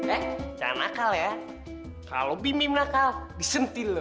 eh jangan nakal ya kalau bim bim nakal disentil loh